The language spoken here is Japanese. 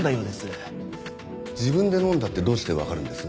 自分で飲んだってどうしてわかるんです？